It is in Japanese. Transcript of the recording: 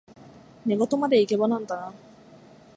寝言までイケボなんだな